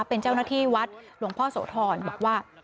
เป็นเจ้าหน้าที่วัดหลวงพ่อโสธรบอกว่า